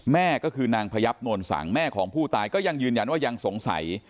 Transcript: แม่ก็คือนางพยับนวลสังแม่ของผู้ตายก็ยังยืนยันว่ายังสงสัย